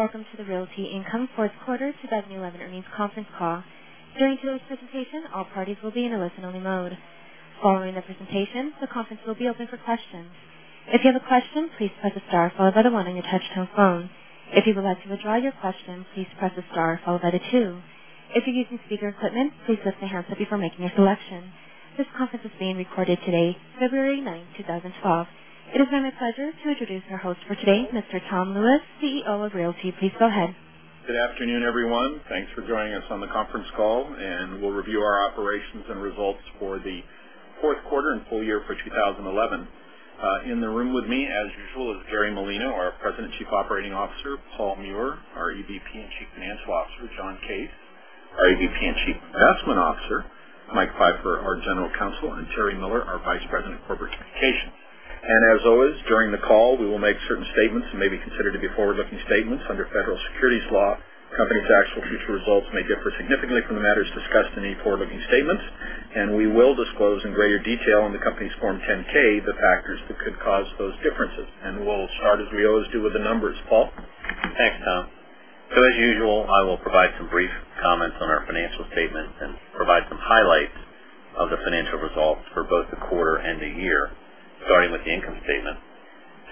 Welcome to the Realty Income Fourth Quarter 2011 Earnings Conference Call. During today's presentation, all parties will be in a listen-only mode. Following the presentation, the conference will be open for questions. If you have a question, please press the star followed by the one on your touch-tone phone. If you would like to withdraw your question, please press the star followed by the two. If you're using speaker equipment, please rest your hands before making your selection. This conference is being recorded today, February 9th, 2012. It is now my pleasure to introduce our host for today, Mr. Tom Lewis, CEO of Realty. Please go ahead. Good afternoon, everyone. Thanks for joining us on the conference call, and we'll review our operations and results for the fourth quarter and full year for 2011. In the room with me, as usual, is Jerry Molina, our President and Chief Operating Officer, Paul Meurer our EVP and Chief Financial Officer, John Case, our EVP and Chief Investment Officer, Mike Pfeiffer, our General Counsel, and Tere Miller, our Vice President of Corporate Communication. As always, during the call, we will make certain statements that may be considered to be forward-looking statements. Under Federal Securities Law, companies' actual future results may differ significantly from the matters discussed in any forward-looking statements, and we will disclose in greater detail on the company's Form 10-K the factors that could cause those differences. We'll start as we always do with the numbers, Paul. Thanks, Tom. As usual, I will provide some brief comments on our financial statements and provide some highlights of the financial results for both the quarter and the year. Starting with the income statement,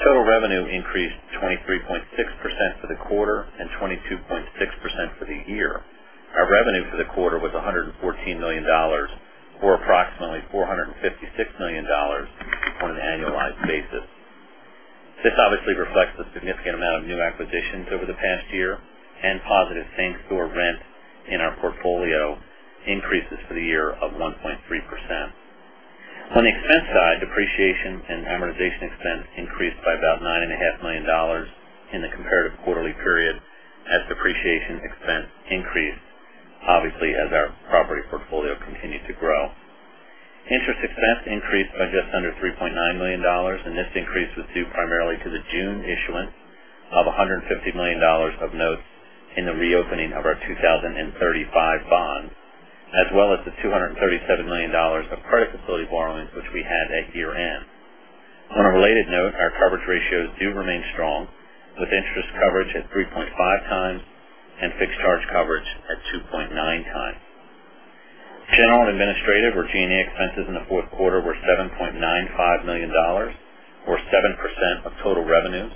total revenue increased 23.6% for the quarter and 22.6% for the year. Our revenue for the quarter was $114 million, or approximately $456 million on an annualized basis. This obviously reflects a significant amount of new acquisitions over the past year, and positive things for rent in our portfolio increased this for the year of 1.3%. On the expense side, depreciation and amortization expense increased by about $9.5 million in the comparative quarterly period, as depreciation expense increased, obviously, as our property portfolio continued to grow. Interest expense increased by just under $3.9 million, and this increase was due primarily to the June issuance of $150 million of notes in the reopening of our 2035 bond, as well as the $237 million of credit facility borrowing, which we had at year-end. On a related note, our coverage ratios do remain strong, with interest coverage at 3.5x and fixed charge coverage at 2.9x. General and administrative or G&A expenses in the fourth quarter were $7.95 million, or 7% of total revenues.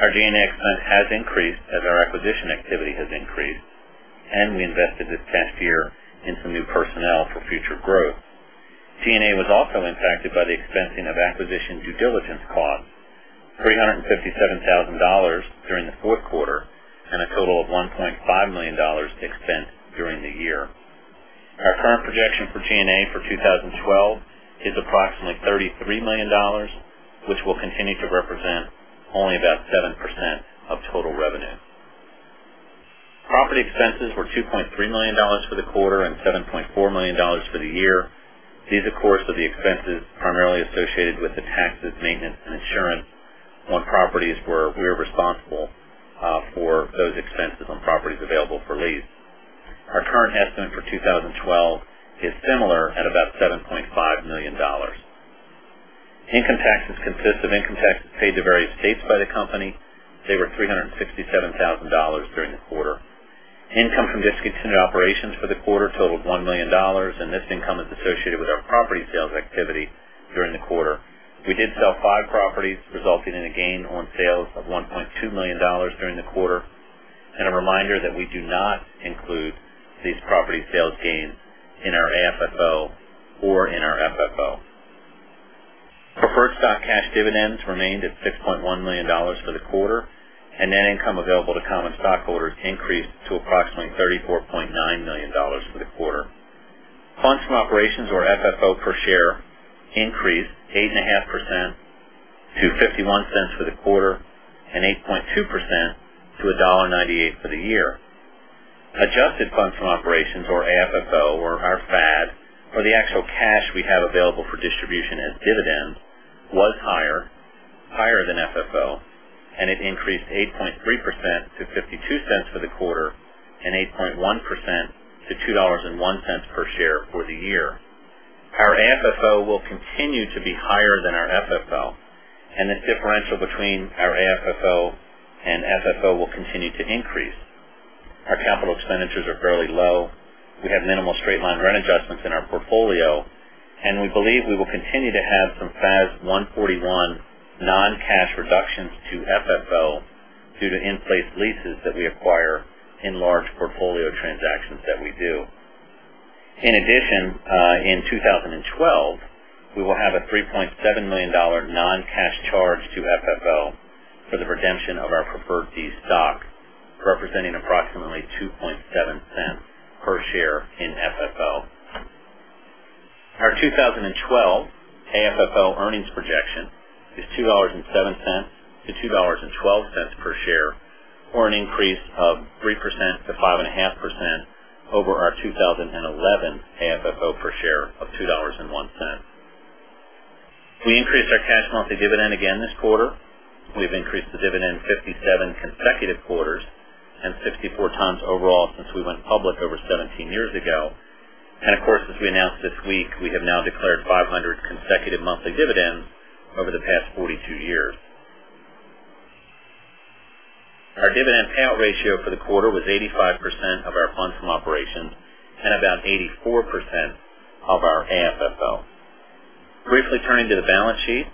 Our G&A expense has increased as our acquisition activity has increased, and we invested this past year in some new personnel for future growth. G&A was also impacted by the expensing of acquisition due diligence costs, $357,000 during the fourth quarter, and a total of $1.5 million to expend during the year. Our current projection for G&A for 2012 is approximately $33 million, which will continue to represent only about 7% of total revenue. Property expenses were $2.3 million for the quarter and $7.4 million for the year. These, of course, were the expenses primarily associated with the taxes, maintenance, and insurance on properties where we were responsible for those expenses on properties available for lease. Our current estimate for 2012 is similar at about $7.5 million. Income taxes consist of income taxes paid to various states by the company. They were $357,000 during the quarter. Income from discontinued operations for the quarter totaled $1 million, and this income is associated with our property sales activity during the quarter. We did sell five properties, resulting in a gain on sales of $1.2 million during the quarter. A reminder that we do not include these property sales gains in our AFFO or in our FFO. Preferred stock cash dividends remained at $6.1 million for the quarter, and net income available to common stockholders increased to approximately $34.9 million for the quarter. Funds from operations, or FFO, per share increased 8.5% to $0.51 for the quarter and 8.2% to $1.98 for the year. Adjusted funds from operations, or AFFO, or the actual cash we have available for distribution as dividends, was higher than FFO, and it increased 8.3% to $0.52 for the quarter and 8.1% to $2.01 per share for the year. Our AFFO will continue to be higher than our FFO, and the differential between our AFFO and FFO will continue to increase. Our capital expenditures are fairly low. We have minimal straight-line rent adjustments in our portfolio, and we believe we will continue to have some FAS 141 non-cash reductions to FFO due to in-place leases that we acquire in large portfolio transactions that we do. In addition, in 2012, we will have a $3.7 million non-cash charge to FFO for the redemption of our preferred stock, representing approximately $0.27 per share in FFO. Our 2012 AFFO earnings projection is $2.07 to $2.12 per share, or an increase of 3% to 5.5% over our 2011 AFFO per share of $2.01. We increased our cash monthly dividend again this quarter. We've increased the dividend 57 consecutive quarters and 54x overall since we went public over 17 years ago. As we announced this week, we have now declared 500 consecutive monthly dividends over the past 42 years. Our dividend payout ratio for the quarter was 85% of our funds from operations and about 84% of our AFFO. Briefly turning to the balance sheet,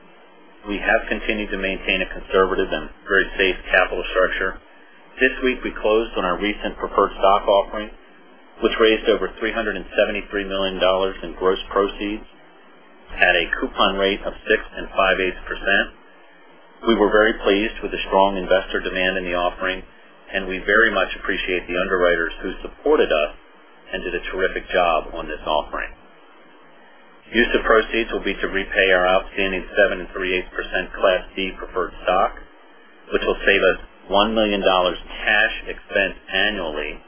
we have continued to maintain a conservative and very safe capital structure. This week, we closed on our recent preferred stock offering, which raised over $373 million in gross proceeds, had a coupon rate of 6.58%. We were very pleased with the strong investor demand in the offering, and we very much appreciate the underwriters who supported us and did a terrific job on this offering. Use of proceeds will be to repay our outstanding 7.38% Class C preferred stock, which will save us $1 million in cash expense annually,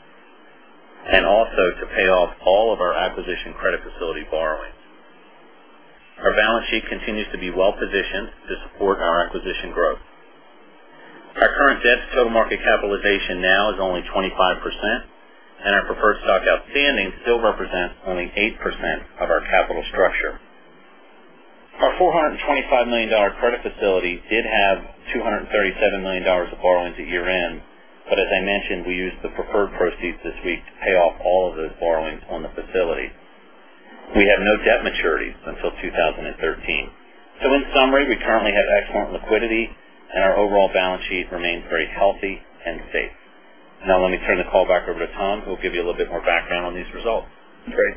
and also to pay off all of our acquisition credit facility borrowings. Our balance sheet continues to be well-positioned to support our acquisition growth. Our current debt-to-total market capitalization now is only 25%, and our preferred stock outstanding still represents only 8% of our capital structure. Our $425 million credit facility did have $237 million of borrowings at year-end, but as I mentioned, we used the preferred proceeds this week to pay off all of those borrowings on the facility. We had no debt maturity until 2013. In summary, we currently have excellent liquidity, and our overall balance sheet remains very healthy and safe. Now let me turn the call back over to Tom, who will give you a little bit more background on these results. Great.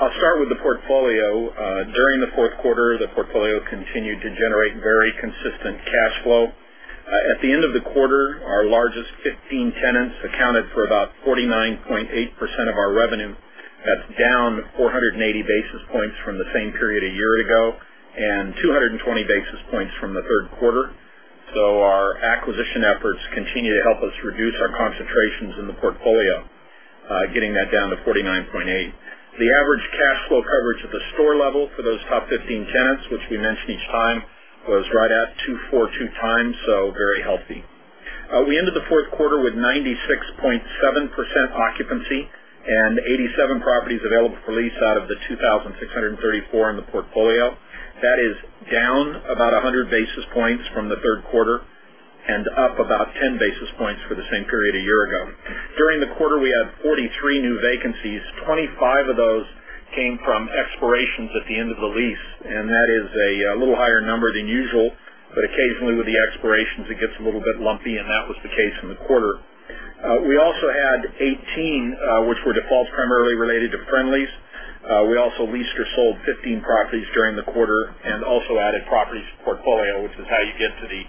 I'll start with the portfolio. During the fourth quarter, the portfolio continued to generate very consistent cash flow. At the end of the quarter, our largest 15 tenants accounted for about 49.8% of our revenue. That's down 480 basis points from the same period a year ago and 220 basis points from the third quarter. Our acquisition efforts continue to help us reduce our concentrations in the portfolio, getting that down to 49.8%. The average cash flow coverage at the store level for those top 15 tenants, which we mention each time, was right at 2.42x, so very healthy. We ended the fourth quarter with 96.7% occupancy and 87 properties available for lease out of the 2,634 in the portfolio. That is down about 100 basis points from the third quarter and up about 10 basis points for the same period a year ago. During the quarter, we had 43 new vacancies. 25 of those came from expirations at the end of the lease, and that is a little higher number than usual, but occasionally with the expirations, it gets a little bit lumpy, and that was the case in the quarter. We also had 18, which were defaults primarily related to Friendly’s. We also leased or sold 15 properties during the quarter and also added properties to the portfolio, which is how you get to the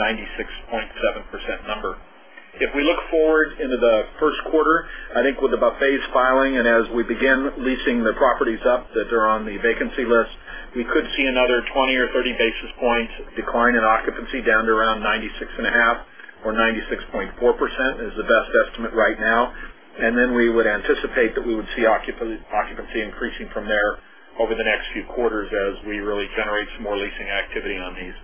96.7% number. If we look forward into the first quarter, I think with the Buffets filing and as we begin leasing the properties up that are on the vacancy list, we could see another 20 or 30 basis points decline in occupancy down to around 96.5% or 96.4% is the best estimate right now. We would anticipate that we would see occupancy increasing from there over the next few quarters as we really generate some more leasing activity on these.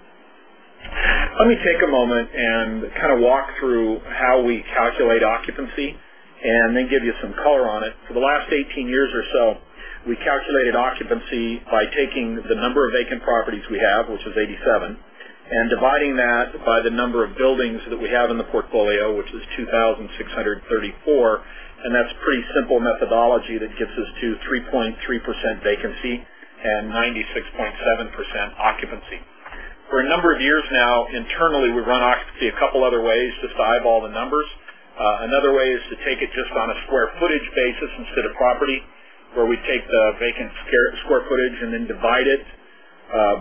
Let me take a moment and kind of walk through how we calculate occupancy and then give you some color on it. For the last 18 years or so, we calculated occupancy by taking the number of vacant properties we have, which was 87, and dividing that by the number of buildings that we have in the portfolio, which was 2,634. That's a pretty simple methodology that gets us to 3.3% vacancy and 96.7% occupancy. For a number of years now, internally, we run occupancy a couple of other ways to size all the numbers. Another way is to take it just on a square footage basis instead of property, where we take the vacant square footage and then divide it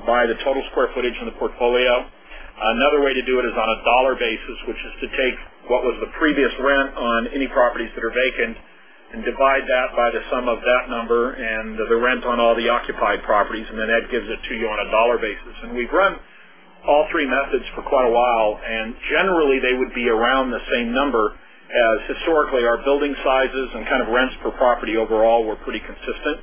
by the total square footage in the portfolio. Another way to do it is on a dollar basis, which is to take what was the previous rent on any properties that are vacant and divide that by the sum of that number and the rent on all the occupied properties, and then that gives it to you on a dollar basis. We've run all three methods for quite a while, and generally, they would be around the same number as historically. Our building sizes and kind of rents per property overall were pretty consistent.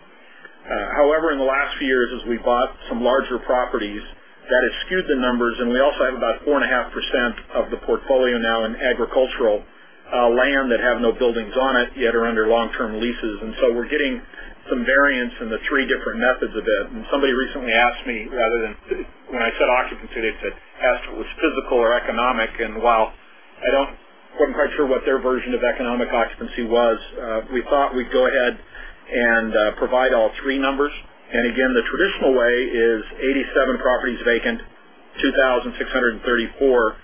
However, in the last few years, as we bought some larger properties, that has skewed the numbers, and we also have about 4.5% of the portfolio now in agricultural land that have no buildings on it yet or under long-term leases. We're getting some variance in the three different methods of it. Somebody recently asked me rather than when I said occupancy, they said, "Asked if it was physical or economic." While we weren't quite sure what their version of economic occupancy was, we thought we'd go ahead and provide all three numbers. Again, the traditional way is 87 properties vacant, 2,634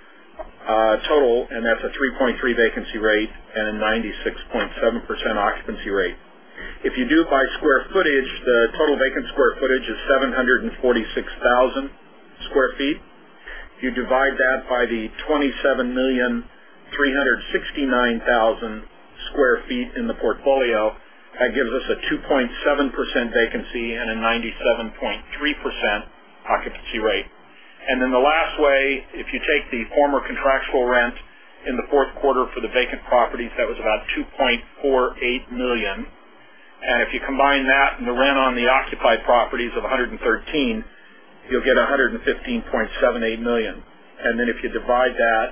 total, and that's a 3.3% vacancy rate and a 96.7% occupancy rate. If you do by square footage, the total vacant square footage is 746,000 sq ft. If you divide that by the 27,369,000 sq ft in the portfolio, that gives us a 2.7% vacancy and a 97.3% occupancy rate. The last way, if you take the former contractual rent in the fourth quarter for the vacant properties, that was about $2.48 million. If you combine that and the rent on the occupied properties of $113 million, you'll get $115.78 million. If you divide that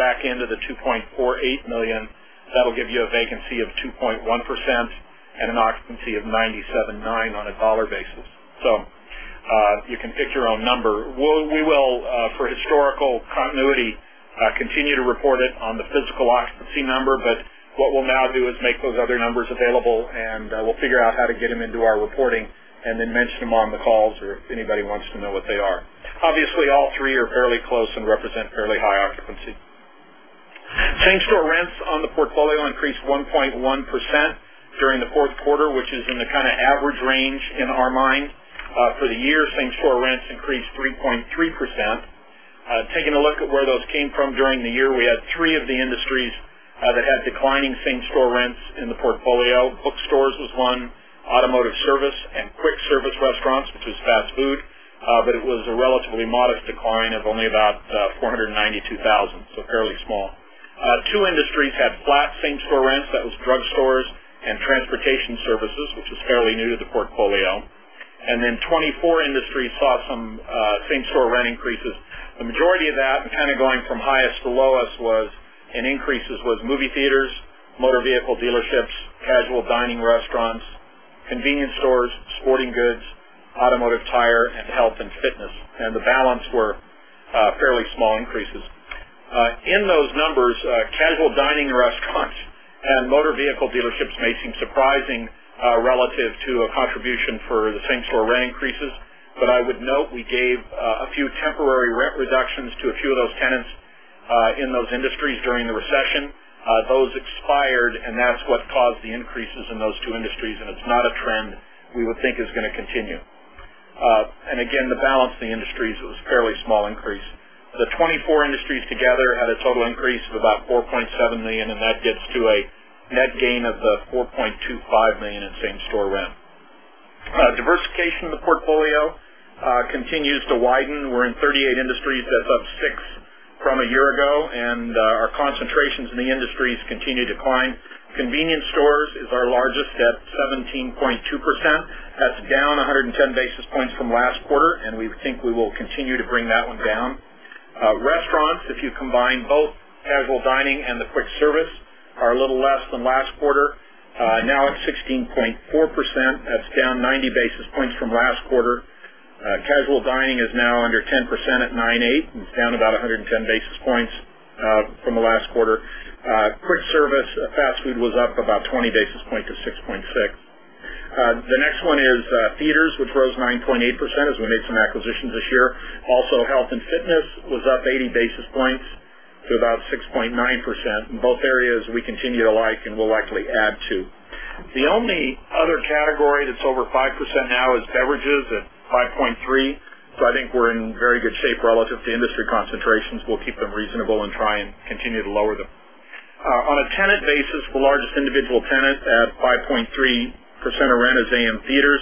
back into the $2.48 million, that'll give you a vacancy of 2.1% and an occupancy of 97.9% on a dollar basis. You can pick your own number. We will, for historical continuity, continue to report it on the physical occupancy number, but what we'll now do is make those other numbers available, and we'll figure out how to get them into our reporting and then mention them on the calls or if anybody wants to know what they are. Obviously, all three are fairly close and represent fairly high occupancy. Same-store rents on the portfolio increased 1.1% during the fourth quarter, which is in the kind of average range in our mind. For the year, same-store rents increased 3.3%. Taking a look at where those came from during the year, we had three of the industries that had declining same-store rents in the portfolio. Bookstores was one, automotive service, and quick service restaurants, which was fast food. It was a relatively modest decline of only about $492,000, so fairly small. Two industries had flat same-store rents. That was drugstores and transportation services, which was fairly new to the portfolio. Then 24 industries saw some same-store rent increases. The majority of that, kind of going from highest to lowest, was in increases with movie theaters, motor vehicle dealerships, casual dining restaurants, convenience stores, sporting goods, automotive tire, and health and fitness. The balance were fairly small increases. In those numbers, casual dining restaurants and motor vehicle dealerships may seem surprising, relative to a contribution for the same-store rent increases. I would note we gave a few temporary rent reductions to a few of those tenants in those industries during the recession. Those expired, and that's what caused the increases in those two industries, and it's not a trend we would think is going to continue. Again, the balance of the industries was a fairly small increase. The 24 industries together had a total increase of about $4.7 million, and that gets to a net gain of the $4.25 million in same-store rent. Diversification in the portfolio continues to widen. We're in 38 industries, that's up six from a year ago, and our concentrations in the industries continue to decline. Convenience stores is our largest at 17.2%. That's down 110 basis points from last quarter, and we think we will continue to bring that one down. Restaurants, if you combine both casual dining and the quick service, are a little less than last quarter, now at 16.4%. That's down 90 basis points from last quarter. Casual dining is now under 10% at 9.8%. It's down about 110 basis points from the last quarter. Quick service, fast food was up about 20 basis points to 6.6%. The next one is theaters, which rose to 9.8% as we made some acquisitions this year. Also, health and fitness was up 80 basis points to about 6.9%. In both areas, we continue to like and will likely add to. The only other category that's over 5% now is beverages at 5.3%. I think we're in very good shape relative to industry concentrations. We'll keep them reasonable and try and continue to lower them. On a tenant basis, the largest individual tenant at 5.3% of rent is AMC Theaters.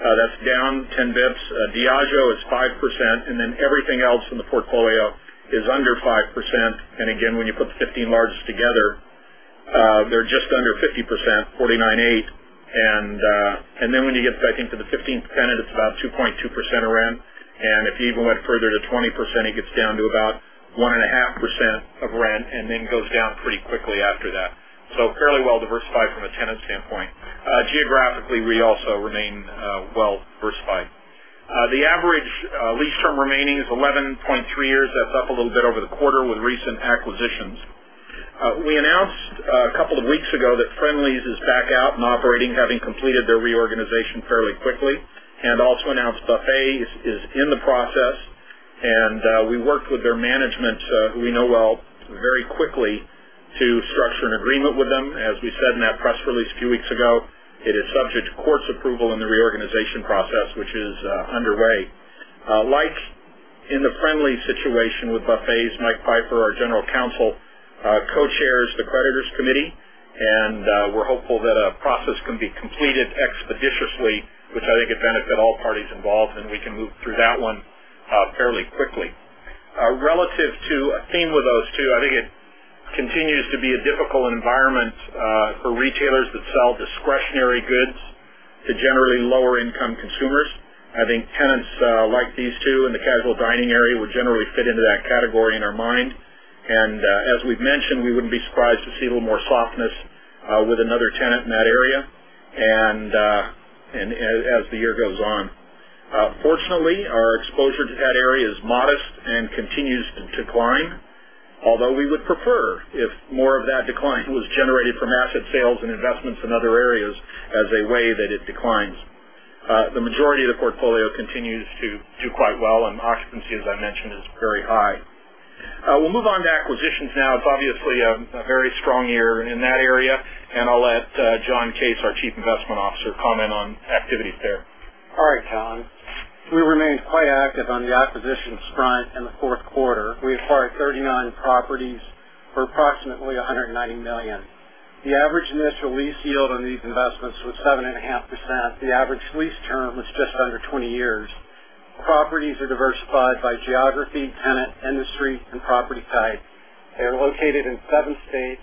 That's down 10 basis points. Diageo is 5%, and then everything else in the portfolio is under 5%. When you put the 15 largest together, they're just under 50%, 49.8%. When you get to the 15th tenant, it's about 2.2% of rent. If you even went further to 20%, it gets down to about 1.5% of rent and then goes down pretty quickly after that. Fairly well diversified from a tenant standpoint. Geographically, we also remain well diversified. The average lease term remaining is 11.3 years. That's up a little bit over the quarter with recent acquisitions. We announced a couple of weeks ago that Friendly’s is back out and operating, having completed their reorganization fairly quickly, and also announced Buffet is in the process. We worked with their management, who we know well, very quickly to structure an agreement with them. As we said in that press release a few weeks ago, it is subject to court approval in the reorganization process, which is underway. Like in the Friendly's situation with Buffet's, Mike Pfeiffer, our General Counsel, co-chairs the creditors' committee, and we're hopeful that a process can be completed expeditiously, which I think would benefit all parties involved, and we can move through that one fairly quickly. Relative to a theme with those two, I think it continues to be a difficult environment for retailers that sell discretionary goods to generally lower-income consumers. I think tenants like these two in the casual dining area would generally fit into that category in our mind. As we've mentioned, we wouldn't be surprised to see a little more softness with another tenant in that area as the year goes on. Fortunately, our exposure to that area is modest and continues to decline, although we would prefer if more of that decline was generated from asset sales and investments in other areas as a way that it declines. The majority of the portfolio continues to do quite well, and occupancy, as I mentioned, is very high. We'll move on to acquisitions now. It's obviously a very strong year in that area, and I'll let John Case, our Chief Investment Officer, comment on activities there. All right, Tom. We remain quite active on the acquisitions front in the fourth quarter. We acquired 39 properties for approximately $190 million. The average initial lease yield on these investments was 7.5%. The average lease term was just under 20 years. Properties are diversified by geography, tenant, industry, and property type. They are located in seven states,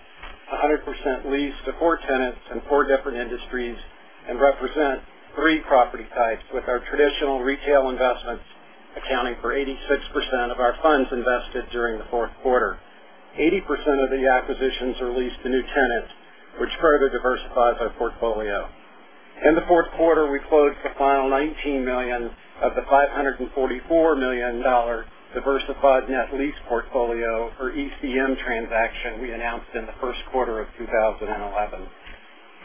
100% leased to four tenants and four different industries and represent three property types, with our traditional retail investments accounting for 86% of our funds invested during the fourth quarter. 80% of the acquisitions are leased to new tenants, which further diversifies our portfolio. In the fourth quarter, we closed the final $19 million of the $544 million diversified net lease portfolio or ECM transaction we announced in the first quarter of 2011.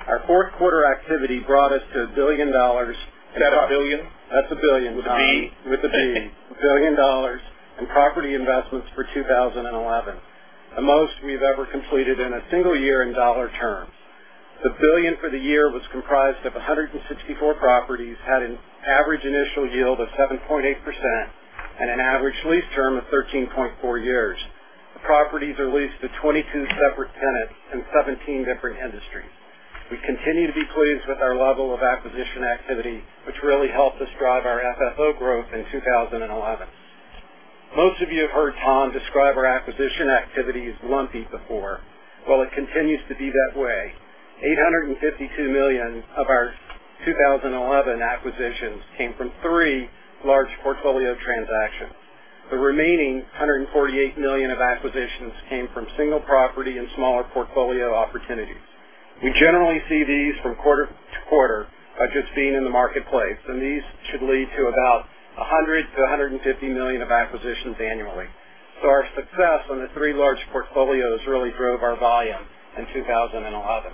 Our fourth quarter activity brought us to $1 billion. That's a billion? That's a billion with a B. Sorry. With a B, a billion dollars in property investments for 2011. The most we've ever completed in a single year in dollar terms. The billion for the year was comprised of 164 properties, had an average initial yield of 7.8%, and an average lease term of 13.4 years. The properties are leased to 22 separate tenants in 17 different industries. We continue to be pleased with our level of acquisition activity, which really helped us drive our FFO growth in 2011. Most of you have heard Tom describe our acquisition activity as lumpy before. It continues to be that way. $852 million of our 2011 acquisitions came from three large portfolio transactions. The remaining $148 million of acquisitions came from single property and smaller portfolio opportunities. We generally see these from quarter to quarter, just seen in the marketplace, and these should lead to about $100 million-$150 million of acquisitions annually. Our success on the three large portfolios really drove our volume in 2011.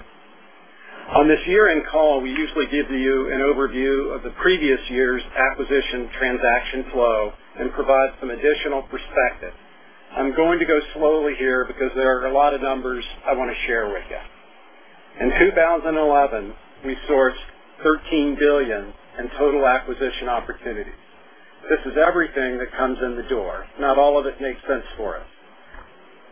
On this year-end call, we usually give you an overview of the previous year's acquisition transaction flow and provide some additional perspective. I'm going to go slowly here because there are a lot of numbers I want to share with you. In 2011, we sourced $13 billion in total acquisition opportunities. This is everything that comes in the door. Not all of it makes sense for us.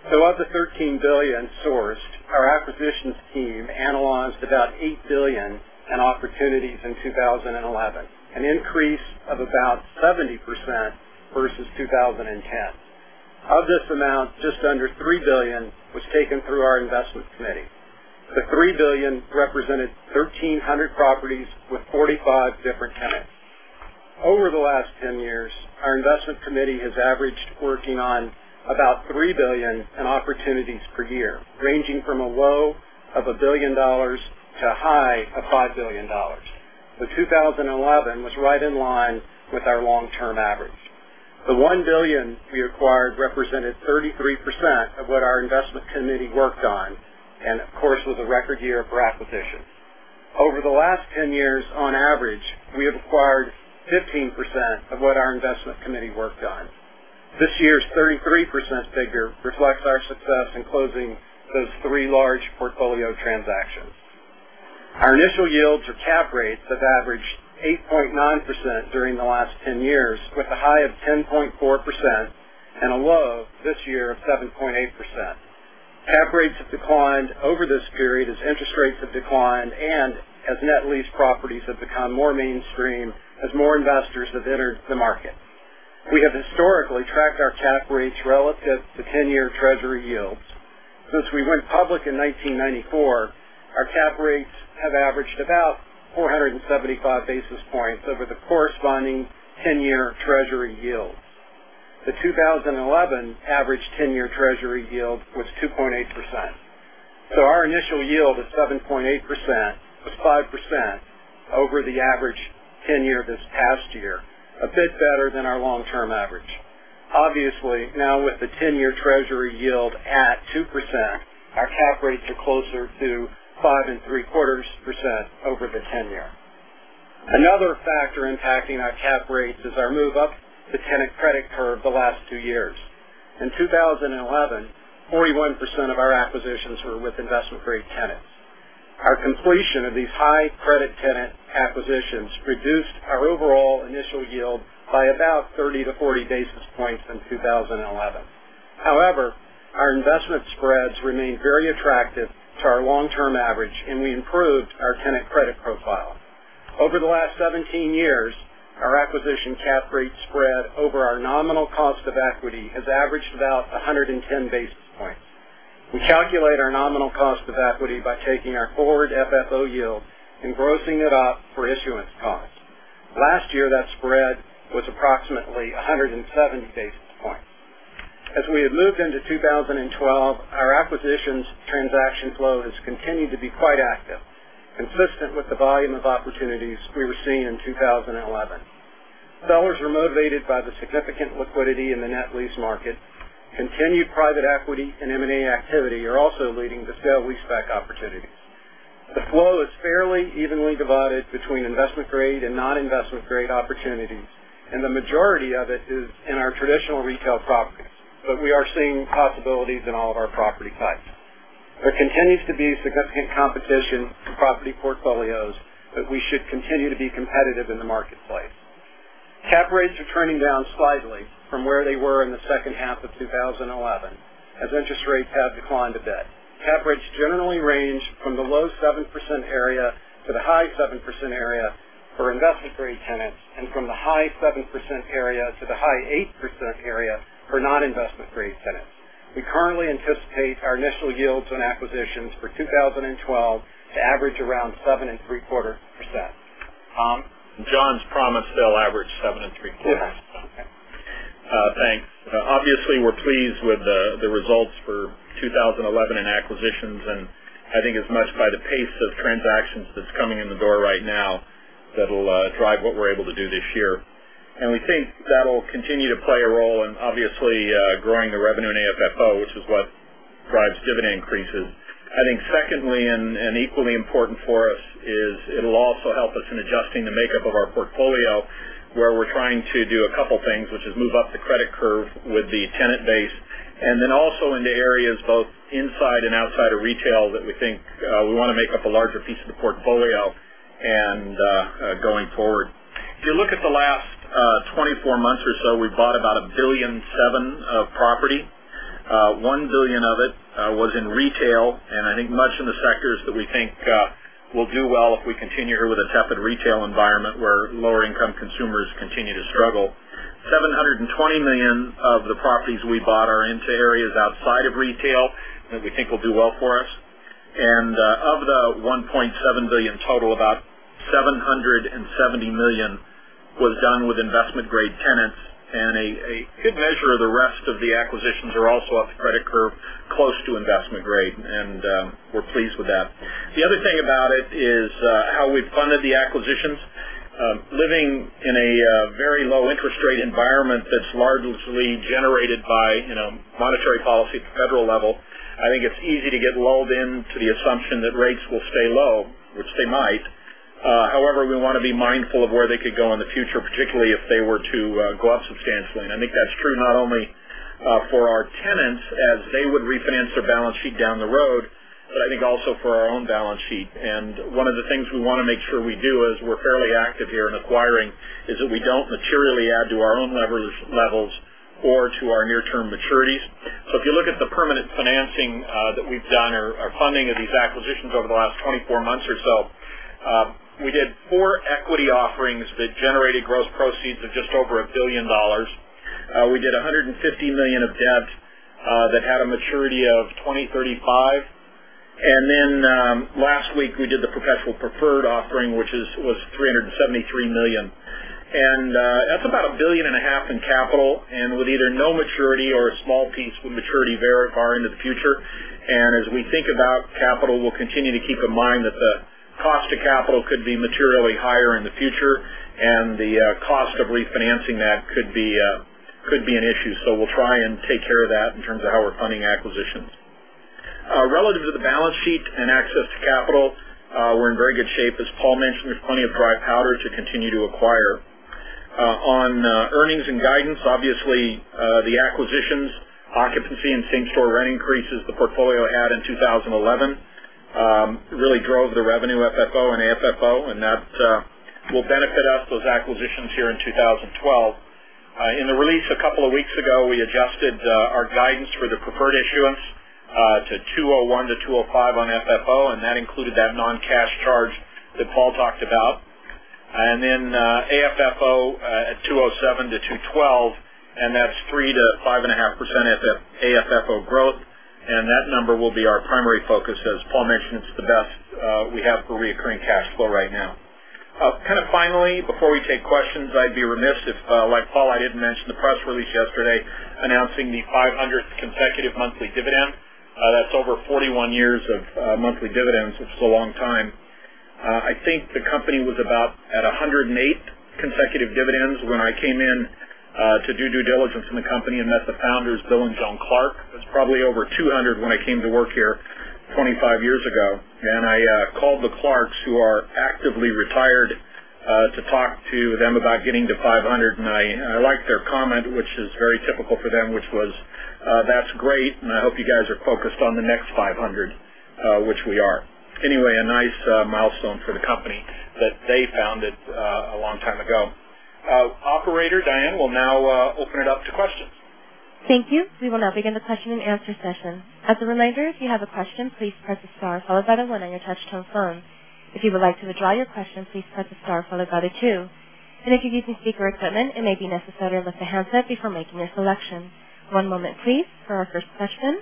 Of the $13 billion sourced, our acquisitions team analyzed about $8 billion in opportunities in 2011, an increase of about 70% versus 2010. Of this amount, just under $3 billion was taken through our investment committee. The $3 billion represented 1,300 properties with 45 different tenants. Over the last 10 years, our investment committee has averaged working on about $3 billion in opportunities per year, ranging from a low of $1 billion to a high of $5 billion. The 2011 was right in line with our long-term average. The $1 billion we acquired represented 33% of what our investment committee worked on, and of course, it was a record year for acquisitions. Over the last 10 years, on average, we have acquired 15% of what our investment committee worked on. This year's 33% figure reflects our success in closing those three large portfolio transactions. Our initial yields or cap rates have averaged 8.9% during the last 10 years, with a high of 10.4% and a low this year of 7.8%. Cap rates have declined over this period as interest rates have declined and as net lease properties have become more mainstream as more investors have entered the market. We have historically tracked our cap rates relative to 10-year Treasury yields. Since we went public in 1994, our cap rates have averaged about 475 basis points over the corresponding 10-year Treasury yield. The 2011 average 10-year Treasury yield was 2.8%. Our initial yield of 7.8% was 5% over the average 10-year this past year, a bit better than our long-term average. Obviously, now with the 10-year Treasury yield at 2%, our cap rates are closer to 5.75% over the 10-year. Another factor impacting our cap rates is our move up the tenant credit curve the last two years. In 2011, 41% of our acquisitions were with investment-grade tenants. Our completion of these high credit tenant acquisitions reduced our overall initial yield by about 30 to 40 basis points in 2011. However, our investment spreads remain very attractive for our long-term average, and we improved our tenant credit profile. Over the last 17 years, our acquisition cap rate spread over our nominal cost of equity has averaged about 110 basis points. We calculate our nominal cost of equity by taking our forward FFO yield and grossing it up for issuance costs. Last year, that spread was approximately 107 basis points. As we had moved into 2012, our acquisitions transaction flow has continued to be quite active, consistent with the volume of opportunities we were seeing in 2011. Dollars were motivated by the significant liquidity in the net lease market. Continued private equity and M&A activity are also leading to sale-leaseback opportunities. The flow is fairly evenly divided between investment-grade and non-investment-grade opportunity, and the majority of it is in our traditional retail properties, but we are seeing possibilities in all of our property types. There continues to be significant competition for property portfolios, but we should continue to be competitive in the marketplace. Cap rates are turning down slightly from where they were in the second half of 2011 as interest rates have declined a bit. Cap rates generally range from the low 7% area to the high 7% area for investment-grade tenants and from the high 7% area to the high 8% area for non-investment-grade tenants. We currently anticipate our initial yields on acquisitions for 2012 to average around 7.75%. Tom, John’s promised they’ll average 7.75%. Yeah. Okay. Thanks. Obviously, we're pleased with the results for 2011 in acquisitions, and I think as much by the pace of transactions that's coming in the door right now that'll drive what we're able to do this year. We think that'll continue to play a role in obviously growing the revenue in AFFO, which is what drives dividend increases. I think secondly, and equally important for us, is it'll also help us in adjusting the makeup of our portfolio, where we're trying to do a couple of things, which is move up the credit curve with the tenant base, and then also into areas both inside and outside of retail that we think we want to make up a larger piece of the portfolio going forward. If you look at the last 24 months or so, we bought about $1.7 billion of property. $1 billion of it was in retail, and I think much in the sectors that we think will do well if we continue here with a tepid retail environment where lower-income consumers continue to struggle. $720 million of the properties we bought are into areas outside of retail, and we think will do well for us. Of the $1.7 billion total, about $770 million was done with investment-grade tenants, and a good measure of the rest of the acquisitions are also up the credit curve close to investment grade, and we're pleased with that. The other thing about it is how we've funded the acquisitions. Living in a very low-interest rate environment that's largely generated by monetary policy at the federal level, I think it's easy to get lulled into the assumption that rates will stay low, which they might. However, we want to be mindful of where they could go in the future, particularly if they were to go up substantially. I think that's true not only for our tenants as they would refinance their balance sheet down the road, but I think also for our own balance sheet. One of the things we want to make sure we do as we're fairly active here in acquiring is that we don't materially add to our own levels or to our near-term maturities. If you look at the permanent financing that we've done or our funding of these acquisitions over the last 24 months or so, we did four equity offerings that generated gross proceeds of just over $1 billion. We did $150 million of debt that had a maturity of 2035. Last week, we did the perpetual preferred offering, which was $373 million. That's about $1.5 billion in capital and with either no maturity or a small piece with maturity very far into the future. As we think about capital, we'll continue to keep in mind that the cost of capital could be materially higher in the future, and the cost of refinancing that could be an issue. We'll try and take care of that in terms of how we're funding acquisitions. Relative to the balance sheet and access to capital, we're in very good shape. As Paul mentioned, there's plenty of dry powder to continue to acquire. On earnings and guidance, obviously, the acquisitions, occupancy, and same-store rent increases the portfolio had in 2011 really drove the revenue, FFO, and AFFO, and that will benefit us, those acquisitions here in 2012. In the release a couple of weeks ago, we adjusted our guidance for the preferred issuance to $2.01 to $2.05 on FFO, and that included that non-cash charge that Paul talked about. AFFO at $2.07 to $2.12, and that's 3% to 5.5% AFFO growth. That number will be our primary focus as Paul mentioned. It's the best we have for reoccurring cash flow right now. Finally, before we take questions, I'd be remiss if, like Paul, I didn't mention the press release yesterday announcing the 500th consecutive monthly dividend. That's over 41 years of monthly dividends. That's a long time. I think the company was at about its 108th consecutive dividend when I came in to do due diligence in the company and met the founders, Bill and Joan Clark. It was probably over 200 when I came to work here 25 years ago. I called the clarks, who are actively retired, to talk to them about getting to 500. I liked their comment, which is very typical for them, which was, "That's great, and I hope you guys are focused on the next 500," which we are. Anyway, a nice milestone for the company that they founded a long time ago. Operator, Diane will now open it up to questions. Thank you. We will now begin the question and answer session. As a reminder, if you have a question, please press star followed by the one on your touch-tone phone. If you would like to withdraw your question, please press star followed by the two. If you do think you need to see for equipment, it may be necessary to lift a handset before making your selection. One moment, please, for our first question.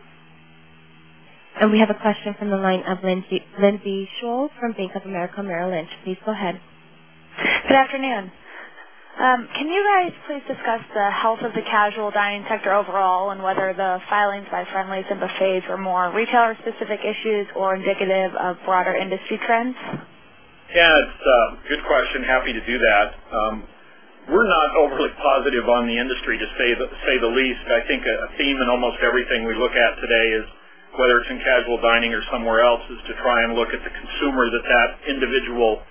We have a question from the line of Lindsay Scholl from Bank of America Merrill Lynch. Please go ahead. Good afternoon. Can you guys please discuss the health of the casual dining sector overall, and whether the filings by Friendly’s and Buffet's are more retailer-specific issues or indicative of broader industry trends? Yeah, it's a good question. Happy to do that. We're not overly positive on the industry to say the least. I think a theme in almost everything we look at today is whether it's in casual dining or somewhere else is to try and look at the consumer that that individual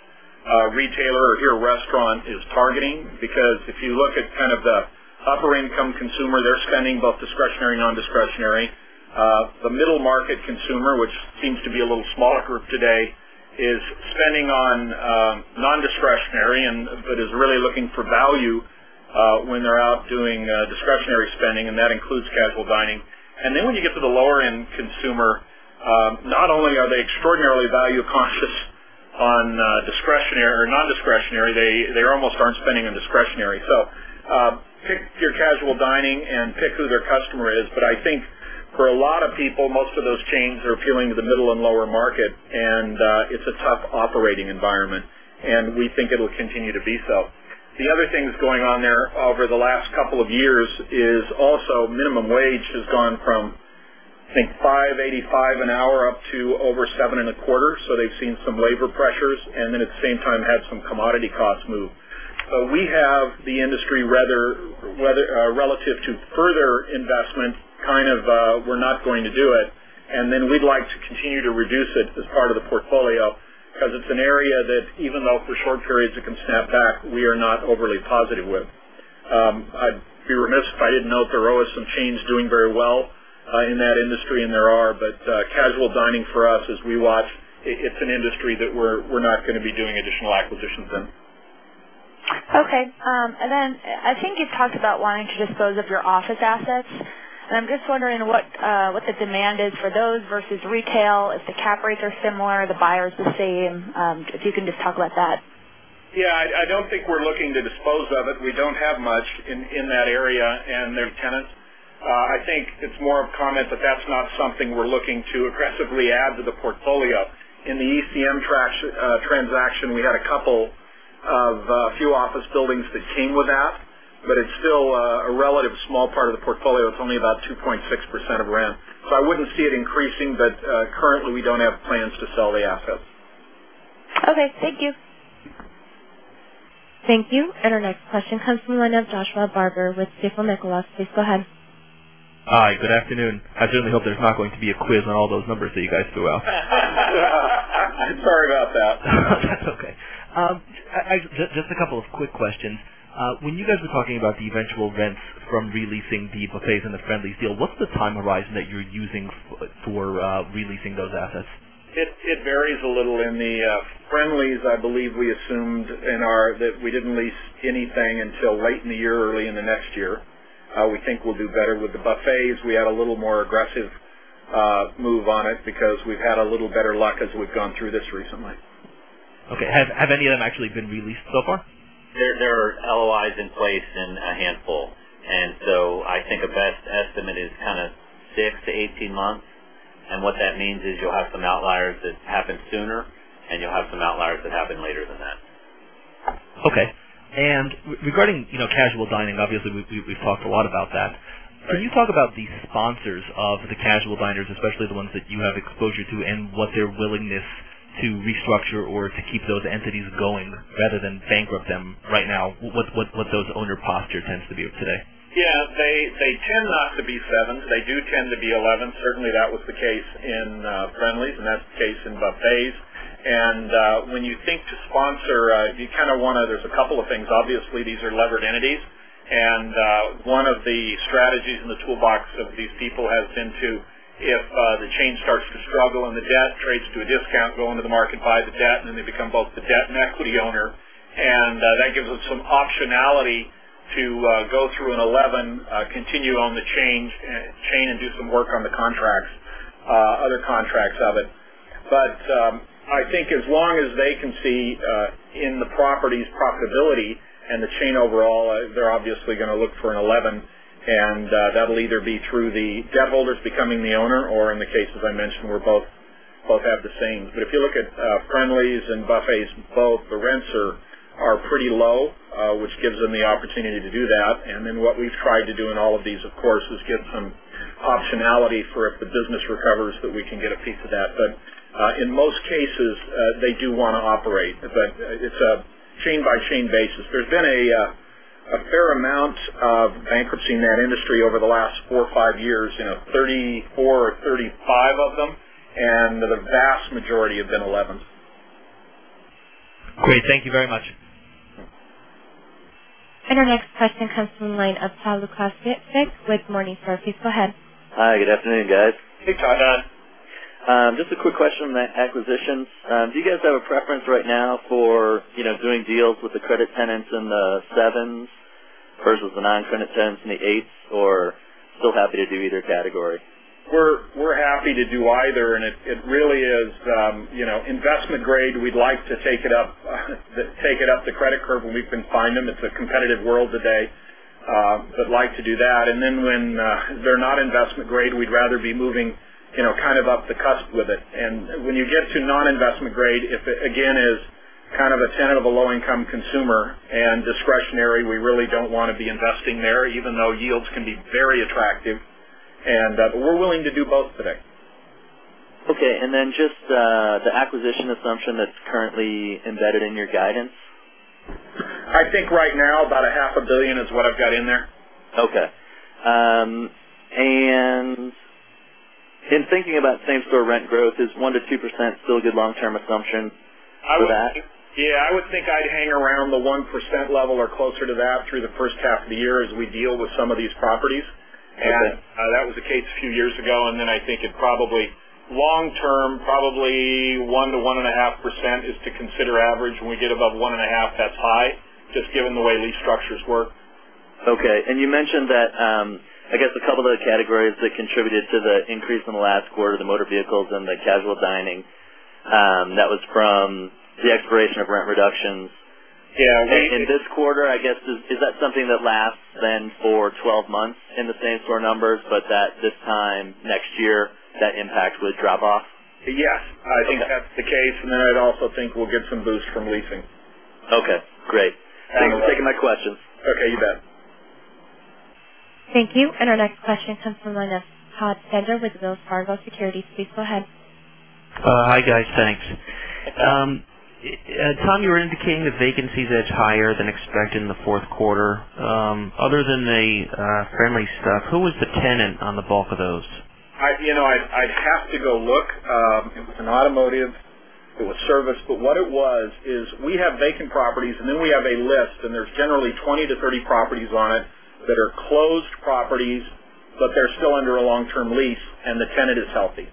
retailer or here restaurant is targeting. Because if you look at kind of the upper-income consumer, they're spending both discretionary and nondiscretionary. The middle-market consumer, which seems to be a little smaller group today, is spending on nondiscretionary and is really looking for value when they're out doing discretionary spending, and that includes casual dining. When you get to the lower-end consumer, not only are they extraordinarily value-conscious on discretionary or nondiscretionary, they almost aren't spending on discretionary. Pick your casual dining and pick who their customer is. I think for a lot of people, most of those chains are appealing to the middle and lower market, and it's a tough operating environment, and we think it'll continue to be so. The other things going on there over the last couple of years is also minimum wage has gone from, I think, $5.85 an hour up to over $7.25. They've seen some labor pressures, and at the same time, had some commodity costs move. We have the industry rather, relative to further investment, we're not going to do it. We'd like to continue to reduce it as part of the portfolio because it's an area that even though for short periods it can snap back, we are not overly positive with. I'd be remiss if I didn't note that ROAS and change are doing very well in that industry, and there are. Casual dining for us, as we watch, it's an industry that we're not going to be doing additional acquisitions in. Okay, I think you've talked about wanting to dispose of your office assets. I'm just wondering what the demand is for those versus retail, if the cap rates are similar, if the buyer is the same. If you can just talk about that. Yeah, I don't think we're looking to dispose of it. We don't have much in that area, and they're tenants. I think it's more of a comment, but that's not something we're looking to aggressively add to the portfolio. In the ECM transaction, we had a couple of, few office buildings that came with that, but it's still a relatively small part of the portfolio. It's only about 2.6% of rent. I wouldn't see it increasing, but currently, we don't have plans to sell the assets. Okay, thank you. Thank you. Our next question comes from the line of Joshua Barber with Stifel Nicolaus. Please go ahead. Hi. Good afternoon. I certainly hope there's not going to be a quiz on all those numbers that you guys threw out. Sorry about that. That's okay. I just have a couple of quick questions. When you guys are talking about the eventual events from releasing the Buffet's and the Friendly’s deal, what's the time horizon that you're using for releasing those assets? It varies a little in the Friendly’s. I believe we assumed in our that we didn’t release anything until late in the year, early in the next year. We think we’ll do better with the Buffet’s. We had a little more aggressive move on it because we’ve had a little better luck as we’ve gone through this recently. Okay. Have any of them actually been released so far? There are LOIs in place and a handful. I think a best estimate is kind of 6 months-18 months. What that means is you'll have some outliers that happen sooner, and you'll have some outliers that happen later than that. Okay. Regarding, you know, casual dining, obviously, we've talked a lot about that. Could you talk about the sponsors of the casual diners, especially the ones that you have exposure to, and what their willingness to restructure or to keep those entities going rather than bankrupt them right now? What does owner posture tend to be today? Yeah. They tend not to be 7. They do tend to be 11. Certainly, that was the case in Friendly’s, and that’s the case in Buffet’s. When you think to sponsor, you kind of want to—there’s a couple of things. Obviously, these are levered entities. One of the strategies in the toolbox of these people has been to, if the chain starts to struggle and the debt trades to a discount, go into the market, buy the debt, and then they become both the debt and equity owner. That gives us some optionality to go through an 11, continue on the chain, and do some work on the contracts, other contracts of it. I think as long as they can see in the properties profitability and the chain overall, they’re obviously going to look for an 11. That’ll either be through the debt holders becoming the owner or in the case that I mentioned where both have the same. If you look at Friendly’s and Buffet’s, both the rents are pretty low, which gives them the opportunity to do that. What we’ve tried to do in all of these, of course, is give some optionality for if the business recovers that we can get a piece of that. In most cases, they do want to operate. It’s a chain-by-chain basis. There’s been a fair amount of bankruptcy in that industry over the last four or five years, you know, 34 or 35 of them, and the vast majority have been 11s. Great. Thank you very much. Our next question comes from the line of Chris Lucas with Morningstar. Please go ahead. Hi. Good afternoon, guys. Hey, Todd. Just a quick question on the acquisitions. Do you guys have a preference right now for, you know, doing deals with the credit tenants and the sevens versus the non-credit tenants and the eights, or still happy to do either category? We're happy to do either, and it really is, you know, investment grade, we'd like to take it up, take it up the credit curve when we can find them. It's a competitive world today, but like to do that. When they're not investment grade, we'd rather be moving, you know, kind of up the cusp with it. When you get to non-investment grade, if it again is kind of a tenant of a low-income consumer and discretionary, we really don't want to be investing there, even though yields can be very attractive. We're willing to do both today. Okay, the acquisition assumption that's currently embedded in your guidance? I think right now about $500 million is what I've got in there. Okay, in thinking about same-store rent growth, is 1%-2% still a good long-term assumption for that? I would think I'd hang around the 1% level or closer to that through the first half of the year as we deal with some of these properties. That was the case a few years ago. I think it probably long-term, probably 1%-1.5% is to consider average. When we get above 1.5%, that's high, just given the way lease structures work. Okay. You mentioned that, I guess a couple of the categories that contributed to the increase in the last quarter, the motor vehicles and the casual dining, that was from the expiration of rent reductions. Yeah. In this quarter, is that something that lasts then for 12 months in the same-store numbers, but that this time next year, that impact would drop off? Yes, I think that's the case. I also think we'll get some boost from leasing. Okay. Great. Thank you for taking my questions. Okay, you bet. Thank you. Our next question comes from the line of Tom Sanders with Wells Fargo Securities. Please go ahead. Hi, guys. Thanks. Tom, you were indicating the vacancies edge higher than expected in the fourth quarter. Other than the Friendly’s stuff, who was the tenant on the bulk of those? I'd have to go look. It's an automotive, but with service. What it was is we have vacant properties, and then we have a list, and there's generally 20-30 properties on it that are closed properties, but they're still under a long-term lease, and the tenant is healthy.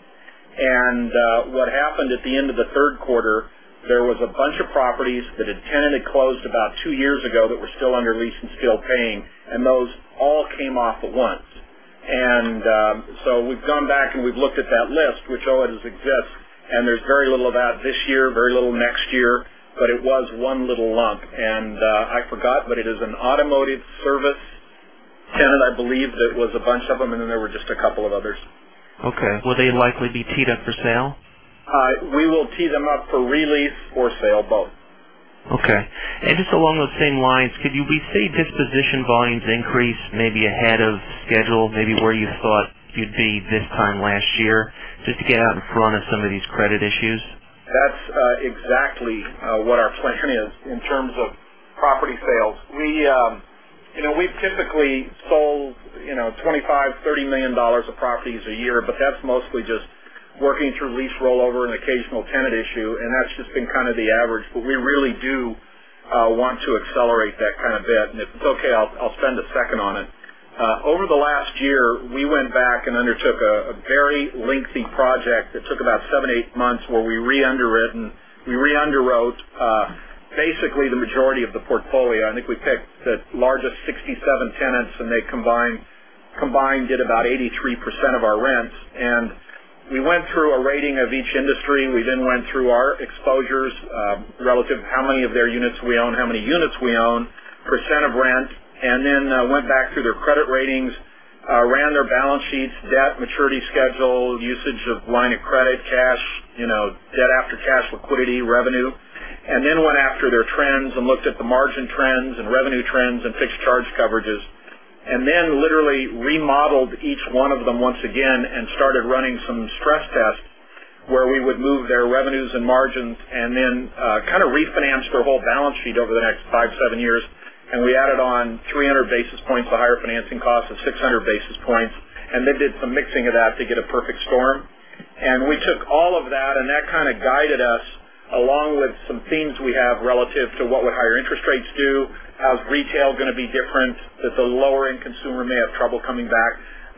What happened at the end of the third quarter, there was a bunch of properties that a tenant had closed about two years ago that were still under lease and still paying, and those all came off at once. We've gone back and we've looked at that list, which always exists, and there's very little of that this year, very little next year, but it was one little lump. I forgot, but it is an automotive service tenant, I believe, that was a bunch of them, and then there were just a couple of others. Okay, will they likely be teed up for sale? We will tee them up for release or sale, both. Okay. Just along those same lines, could you be seeing disposition volumes increase maybe ahead of schedule, maybe where you thought you'd be this time last year just to get out in front of some of these credit issues? That's exactly what our plan is in terms of property sales. We've typically sold $25 million, $30 million of properties a year, but that's mostly just working through lease rollover and occasional tenant issue, and that's just been kind of the average. We really do want to accelerate that kind of debt. If it's okay, I'll spend a second on it. Over the last year, we went back and undertook a very lengthy project that took about seven, eight months where we re-underwrote basically the majority of the portfolio. I think we picked the largest 67 tenants, and they combined at about 83% of our rents. We went through a rating of each industry. We then went through our exposures relative to how many of their units we own, how many units we own, percent of rent, and then went back through their credit ratings, ran their balance sheets, debt, maturity schedule, usage of line of credit, cash, debt after cash, liquidity, revenue, and then went after their trends and looked at the margin trends and revenue trends and fixed charge coverages. We literally remodeled each one of them once again and started running some stress tests where we would move their revenues and margins and then kind of refinance their whole balance sheet over the next five, seven years. We added on 300 basis points of higher financing costs up to 600 basis points. They did some mixing of that to get a perfect storm. We took all of that, and that kind of guided us along with some themes we have relative to what would higher interest rates do, how retail is going to be different, that the lower-end consumer may have trouble coming back,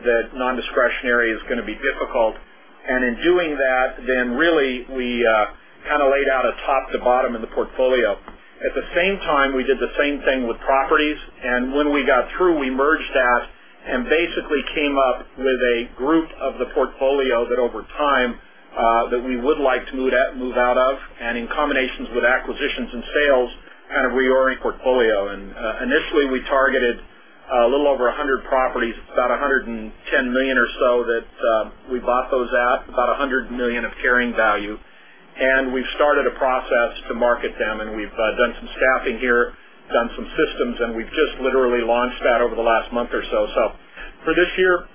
that nondiscretionary is going to be difficult. In doing that, we kind of laid out a top to bottom in the portfolio. At the same time, we did the same thing with properties. When we got through, we merged that and basically came up with a group of the portfolio that over time, we would like to move out of and in combinations with acquisitions and sales kind of reorient the portfolio. Initially, we targeted a little over 100 properties, about $110 million or so, that we bought those at about $100 million of carrying value. We've started a process to market them, and we've done some staffing here, done some systems, and we've just literally launched that over the last month or so. For this year,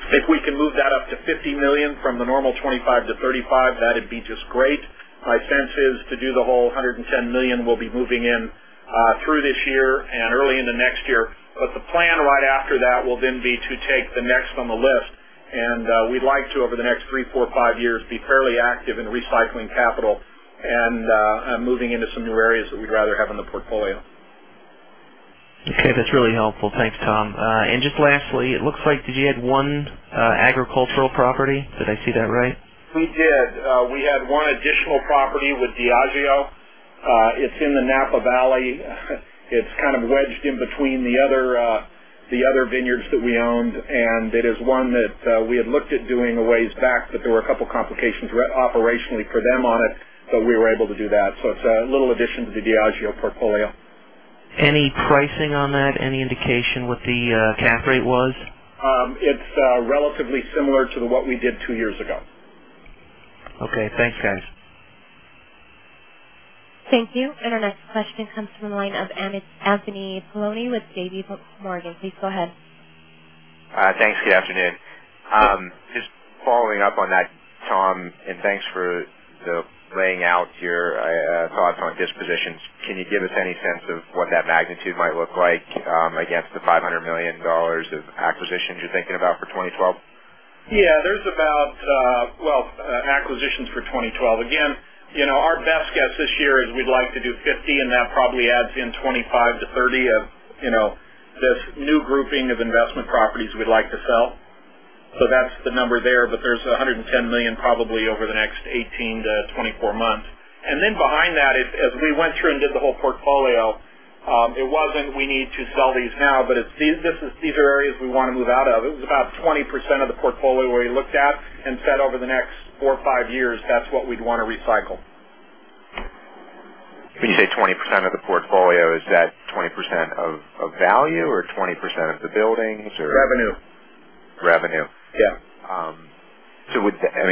I think we can move that up to $50 million from the normal $25-$35 million. That'd be just great. My sense is to do the whole $110 million we'll be moving in, through this year and early into next year. The plan right after that will then be to take the next on the list. We'd like to, over the next three, four, five years, be fairly active in recycling capital and moving into some new areas that we'd rather have in the portfolio. Okay. That's really helpful. Thanks, Tom. Just lastly, it looks like, did you add one agricultural property? Did I see that right? We did. We had one additional property with Diageo. It's in the Napa Valley. It's kind of wedged in between the other vineyards that we owned, and it is one that we had looked at doing a ways back, but there were a couple of complications operationally for them on it. We were able to do that, so it's a little addition to the Diageo portfolio. Any pricing on that? Any indication what the cap rate was? It's relatively similar to what we did two years ago. Okay, thanks, guys. Thank you. Our next question comes from the line of Anthony Paolone with JPMorgan. Please go ahead. Thanks. Good afternoon. Just following up on that, Tom, and thanks for, you know, laying out your thoughts on dispositions. Can you give us any sense of what that magnitude might look like, against the $500 million of acquisitions you're thinking about for 2012? Yeah. There's about, acquisitions for 2012. Again, our best guess this year is we'd like to do 50, and that probably adds in 25-30 of this new grouping of investment properties we'd like to sell. That's the number there. There's $110 million probably over the next 18 months-24 months. Behind that, as we went through and did the whole portfolio, it wasn't, "We need to sell these now," but it's, "These are areas we want to move out of." It was about 20% of the portfolio where we looked at and said over the next four or five years, that's what we'd want to recycle. When you say 20% of the portfolio, is that 20% of value or 20% of the buildings? Revenue. Revenue. Yeah.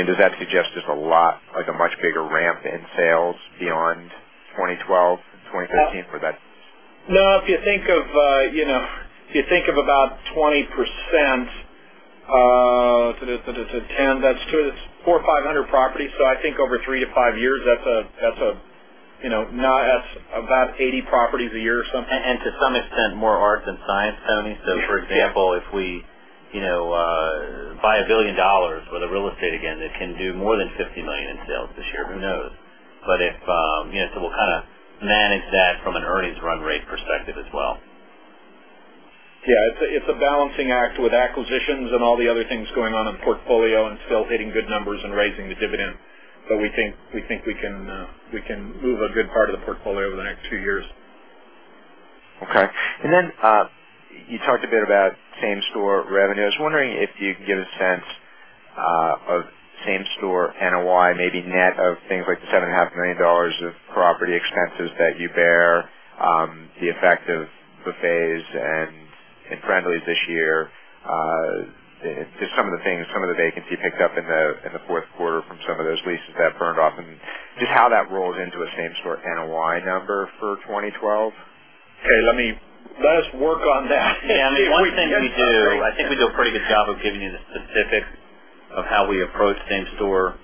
Does that suggest there's a lot, like a much bigger ramp in sales beyond 2012 and 2015 for that? No. If you think of about 20% to the that's to the 4,500 properties. I think over three to five years, that's about 80 properties a year or something. To some extent, it's more art than science, Tony. Yeah. For example, if we, you know, buy $1 billion worth of real estate, it can do more than $50 million in sales this year. Who knows? We'll kind of manage that from an earnings run rate perspective as well. Yeah. It's a balancing act with acquisitions and all the other things going on in the portfolio and still hitting good numbers and raising the dividend. We think we can move a good part of the portfolio over the next few years. Okay. You talked a bit about same-store revenue. I was wondering if you can give a sense of same-store NOI, maybe net of things like $7.5 million of property expenses that you bear, the effect of Buffet's and Friendly’s this year, just some of the things, some of the vacancy picked up in the fourth quarter from some of those leases that burned off, and just how that rolled into a same-store NOI number for 2012. Okay. Let us work on that. Yeah. I mean, one thing we do, I think we do a pretty good job of giving you the specifics of how we approach same-store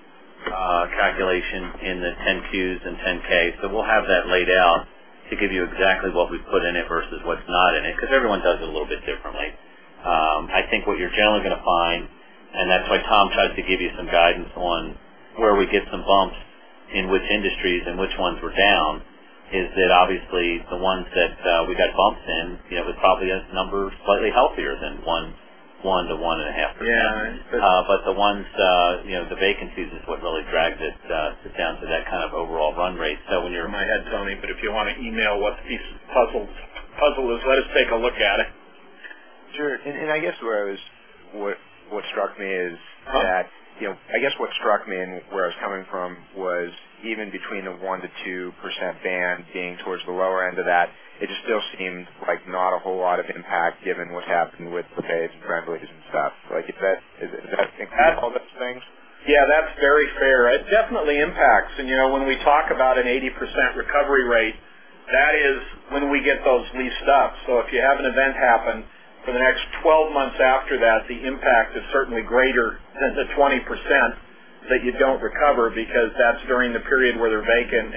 calculation in the 10-Qs and 10-Ks. We'll have that laid out to give you exactly what we put in it versus what's not in it because everyone does it a little bit differently. I think what you're generally going to find, and that's why Tom tries to give you some guidance on where we get some bumps in which industries and which ones were down, is that obviously the ones that we got bumps in probably have numbers slightly healthier than 1%-1.5%. Yeah. The vacancies really dragged it down to that kind of overall run rate. When you're. In my head, Tony, but if you want to email what the piece of the puzzle is, let us take a look at it. Sure. What struck me is that, you know, I guess what struck me and where I was coming from was even between a 1%- 2% band, being towards the lower end of that, it just still seemed like not a whole lot of impact given what happened with Buffet's and Friendly’s and stuff. Is that impact all those things? Yeah, that's very fair. It definitely impacts. You know, when we talk about an 80% recovery rate, that is when we get those leased up. If you have an event happen for the next 12 months after that, the impact is certainly greater than the 20% that you don't recover because that's during the period where they're vacant.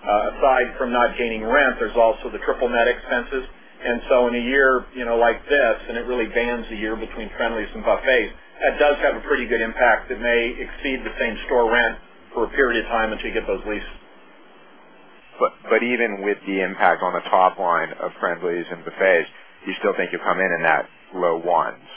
Aside from not gaining rent, there's also the triple net expenses. In a year, you know, like this, and it really spans a year between Friendly’s and Buffet's, that does have a pretty good impact. It may exceed the same-store rent for a period of time until you get those leased. Even with the impact on the top line of Friendly’s and Buffet’s, you still think you’ll come in in that low 1%s?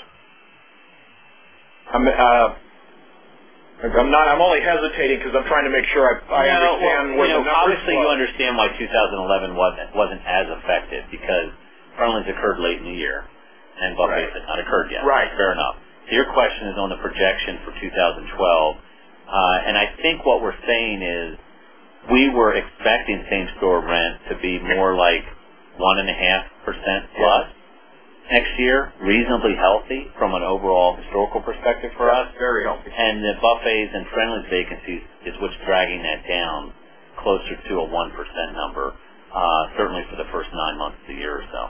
I'm only hesitating because I'm trying to make sure I understand what you're asking. Obviously, you understand why 2011 wasn't as effective because Friendly’s occurred late in the year and Buffet's had not occurred yet. Right. Fair enough. Your question is on the projection for 2012, and I think what we're saying is we were expecting same-store rent to be more like 1.5%+ next year, reasonably healthy from an overall historical perspective for us. Very healthy. The Buffet's and Friendly’s vacancies are what's dragging that down closer to a 1% number, certainly for the first nine months of the year or so.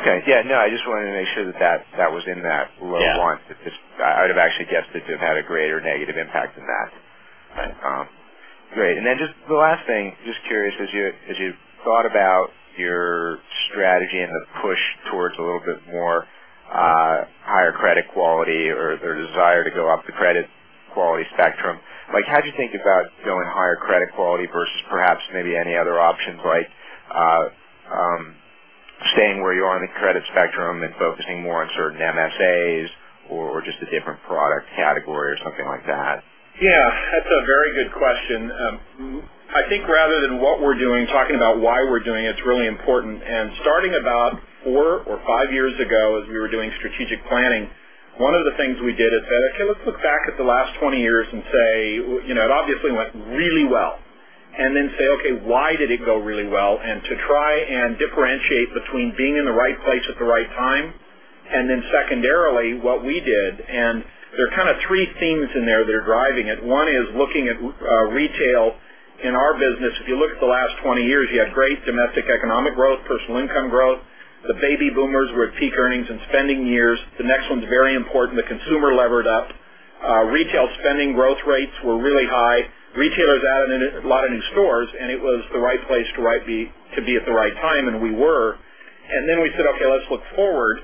Okay. I just wanted to make sure that was in that low 1%s. I would have actually guessed it to have had a greater negative impact than that. Great. Just the last thing, curious, as you've thought about your strategy and the push towards a little bit more, higher credit quality or their desire to go up the credit quality spectrum, how do you think about going higher credit quality versus perhaps maybe any other options, like staying where you are on the credit spectrum and focusing more on certain MSAs or just a different product category or something like that? Yeah. That's a very good question. I think rather than what we're doing, talking about why we're doing it, it's really important. Starting about four or five years ago as we were doing strategic planning, one of the things we did is say, "Okay, let's look back at the last 20 years and say, you know, it obviously went really well." Then say, "Okay, why did it go really well?" To try and differentiate between being in the right place at the right time and then secondarily what we did. There are kind of three themes in there that are driving it. One is looking at retail. In our business, if you look at the last 20 years, you had great domestic economic growth, personal income growth, the baby boomers were at peak earnings and spending years. The next one's very important. The consumer levered up. Retail spending growth rates were really high. Retailers added a lot of new stores, and it was the right place to be at the right time, and we were. Then we said, "Okay, let's look forward."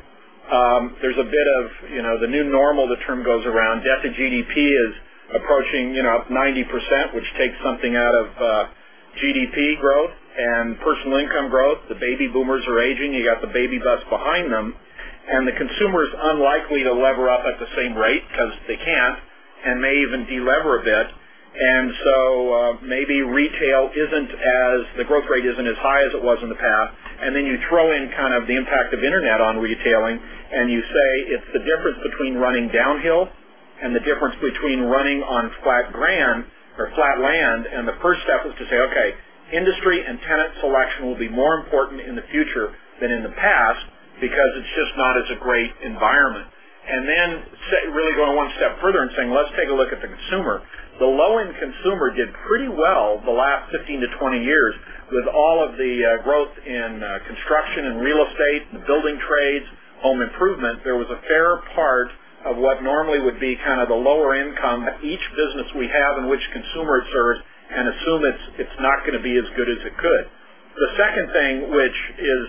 There's a bit of, you know, the new normal, the term goes around, debt to GDP is approaching, you know, up 90%, which takes something out of GDP growth and personal income growth. The baby boomers are aging. You got the baby bust behind them. The consumer is unlikely to lever up at the same rate because they can't and may even delever a bit. Maybe retail isn't as the growth rate isn't as high as it was in the past. You throw in kind of the impact of internet on retailing, and you say it's the difference between running downhill and the difference between running on flat ground or flat land. The first step was to say, "Okay, industry and tenant selection will be more important in the future than in the past because it's just not as a great environment." Really going one step further and saying, "Let's take a look at the consumer." The low-end consumer did pretty well the last 15 years-20 years with all of the growth in construction and real estate and the building trades, home improvement. There was a fair part of what normally would be kind of the lower income that each business we have in which consumer it serves and assume it's not going to be as good as it could. The second thing, which is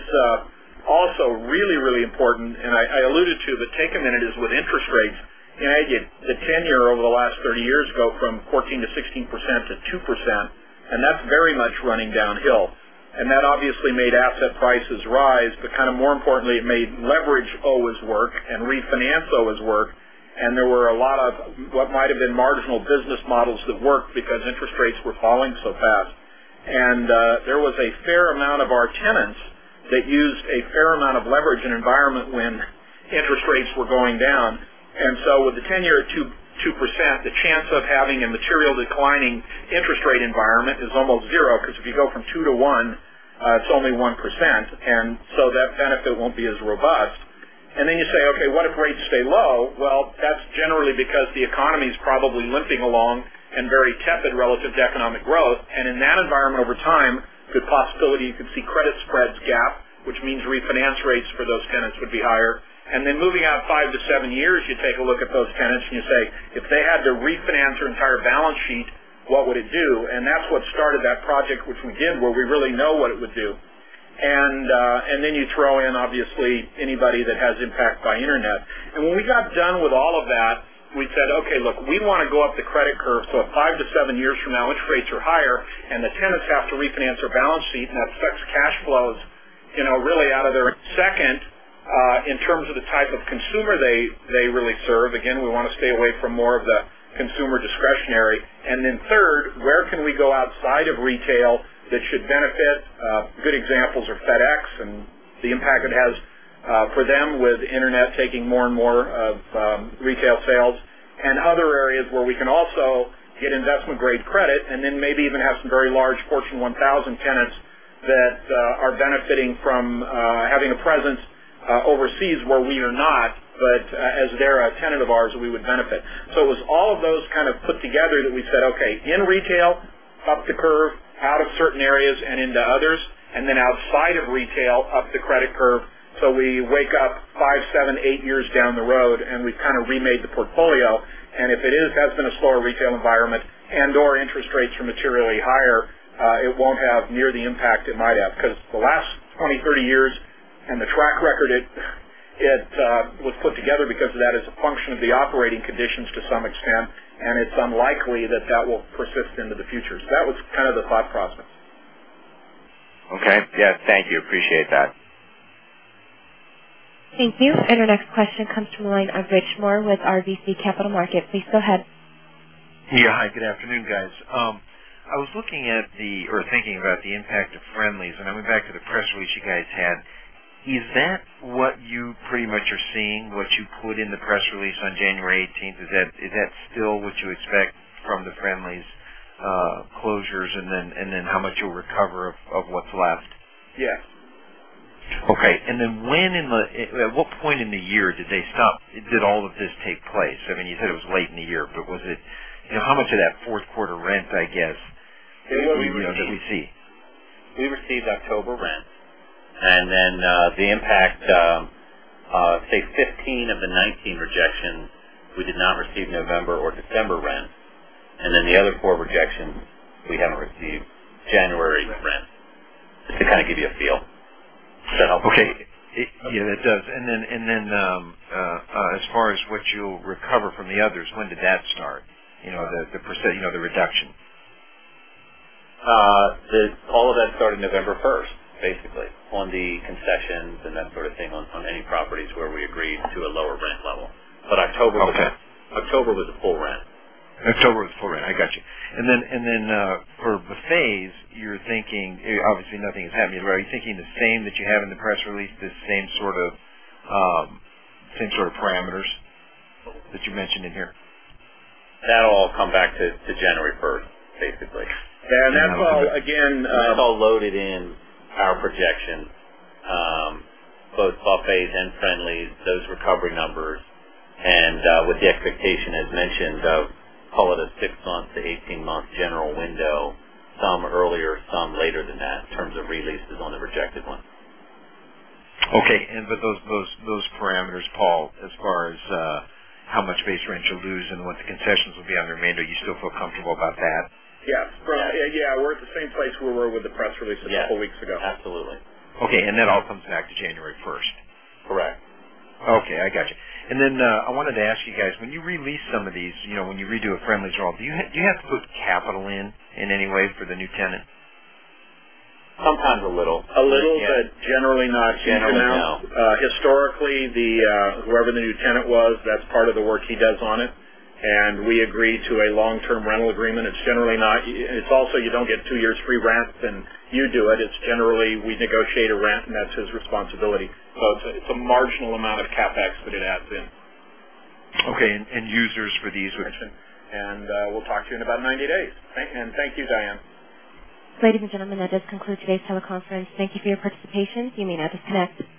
also really, really important, and I alluded to the taken that it is with interest rates. The idea is the 10-year over the last 30 years go from 14% to 16% to 2%, and that's very much running downhill. That obviously made asset prices rise, but more importantly, it made leverage always work and refinance always work. There were a lot of what might have been marginal business models that worked because interest rates were falling so fast. There was a fair amount of our tenants that used a fair amount of leverage in an environment when interest rates were going down. With the 10-year at 2%, the chance of having a material declining interest rate environment is almost zero because if you go from 2% to 1%, it's only 1%. That benefit won't be as robust. You say, "Okay, what if rates stay low?" That's generally because the economy is probably limping along and very tepid relative to economic growth. In that environment over time, the possibility you could see credit spreads gap, which means refinance rates for those tenants would be higher. Moving out five to seven years, you take a look at those tenants and you say, "If they had to refinance their entire balance sheet, what would it do?" That's what started that project, which we did where we really know what it would do. Then you throw in, obviously, anybody that has impact by internet. When we got done with all of that, we said, "Okay, look, we want to go up the credit curve for five to seven years from now, interest rates are higher, and the tenants have to refinance their balance sheet and will fix cash flows, you know, really out of their." Second, in terms of the type of consumer they really serve. Again, we want to stay away from more of the consumer discretionary. Third, where can we go outside of retail that should benefit? Good examples are FedEx and the impact it has for them with internet taking more and more of retail sales and other areas where we can also get investment-grade credit and then maybe even have some very large Fortune 1000 tenants that are benefiting from having a presence overseas where we are not, but as they're a tenant of ours, we would benefit. It was all of those kind of put together that we said, "Okay, in retail, up the curve, out of certain areas and into others, and then outside of retail, up the credit curve." We wake up five, seven, eight years down the road, and we've kind of remade the portfolio. If it has been a slower retail environment and/or interest rates are materially higher, it won't have near the impact it might have because the last 20, 30 years and the track record, it was put together because of that as a function of the operating conditions to some extent, and it's unlikely that that will persist into the future. That was kind of the thought process. Okay, yeah. Thank you. Appreciate that. Thank you. Our next question comes from the line of Rich Moore with RBC Capital Markets. Please go ahead. Yeah. Hi. Good afternoon, guys. I was looking at the or thinking about the impact of Friendly’s, and I went back to the press release you guys had. Is that what you pretty much are seeing, what you put in the press release on January 18th? Is that still what you expect from the Friendly’s closures, and then how much you'll recover of what's left? Yes. Okay. At what point in the year did they stop? Did all of this take place? You said it was late in the year, but was it, you know, how much of that fourth quarter rent did we see? We received October rent. The impact is that for 15 of the 19 rejections, we did not receive November or December rent. For the other four rejections, we haven't received January rent. Okay. To give you a feel. Okay. Yeah, that does. As far as what you'll recover from the others, when did that start? You know, the reduction? All of that started November 1st, basically, on the concessions and that sort of thing on any properties where we agreed to a lower rent level. October was a full rent. October was a full rent. I got you. For Buffet's, you're thinking, obviously, nothing has happened. Are you thinking the same that you have in the press release, the same sort of parameters that you mentioned in here? That'll all come back to January 3rd, basically. That's all, again, That's all loaded in our projection. Both Buffet's and Friendly’s, those recovery numbers, and, with the expectation, as mentioned, of, call it, a 6-month to 18-month general window, some earlier, some later than that in terms of releases on the rejected ones. Okay. With those parameters, Paul, as far as how much base rent you'll lose and what the concessions will be on your mandate, you still feel comfortable about that? Yes. We're at the same place we were with the press release a couple of weeks ago. Yeah. Absolutely. Okay, that all comes back to January 1st? Correct. Okay, I got you. I wanted to ask you guys, when you release some of these, you know, when you redo a Friendly’s role, do you have to put capital in in any way for the new tenant? Sometimes a little, but generally not. Generally not. Historically, whoever the new tenant was, that's part of the work he does on it. We agree to a long-term rental agreement. It's generally not, you also don't get two years free rent when you do it. Generally, we negotiate a rent and that's his responsibility. It's a marginal amount of CapEx that it adds in. Okay. Users for these. Thank you. We'll talk to you in about 90 days. Thank you, Diane. Ladies and gentlemen, that does conclude today's teleconference. Thank you for your participation. You may now disconnect.